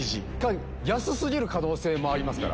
安過ぎる可能性もありますから。